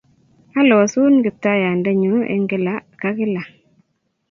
Alosun, Kiptaiyandennyu en kila ka kila